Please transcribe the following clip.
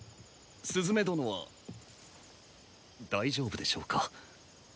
スズメ殿は大丈夫でしょうか？